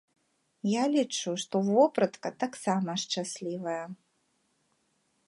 Я лічу, што вопратка таксама шчаслівая.